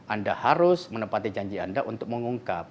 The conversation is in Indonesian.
anda harus menepati janji anda untuk mengungkap